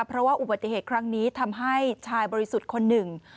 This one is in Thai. เพราะว่าอุบัติเหตุครั้งนี้ทำให้ชายบริสุทธิ์คนหนึ่ง